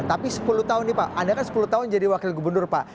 tapi sepuluh tahun nih pak anda kan sepuluh tahun jadi wakil gubernur pak